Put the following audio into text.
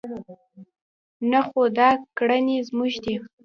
نه خو دا کړنې زموږ دي.